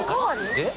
えっ？